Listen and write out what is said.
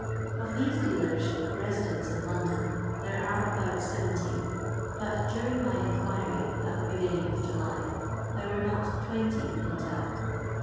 Of these dealen, residents in London, there are about 70 ; but during my inquiry (at the begin ning of July) there were not 20 in town.